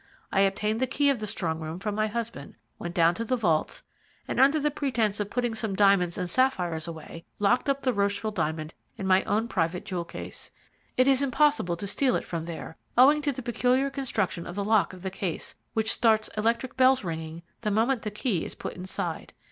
I obtained the key of the strong room from my husband, went down to the vaults, and under the pretence of putting some diamonds and sapphires away, locked up the Rocheville diamond in my own private jewel case. It is impossible to steal it from there, owing to the peculiar construction of the lock of the case, which starts electric bells ringing the moment the key is put inside.